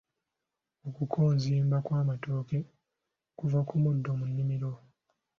Okukonziba kw'amatooke kuva ku muddo mu nnimiro.